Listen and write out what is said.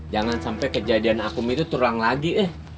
jangan sampai kejadian akum itu teruang lagi